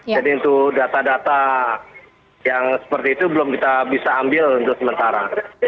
jadi itu data data yang seperti itu belum kita bisa ambil untuk sementara